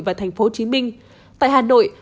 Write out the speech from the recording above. và tp hcm tại hà nội